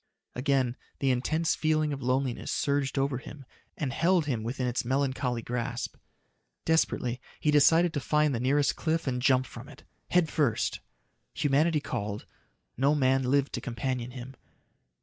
Again the intense feeling of loneliness surged over him and held him within its melancholy grasp. Desperately, he decided to find the nearest cliff and jump from it head first! Humanity called; no man lived to companion him.